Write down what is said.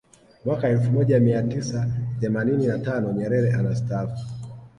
Mwaka elfu moja mia tisa themanini na tano Nyerere anastaafu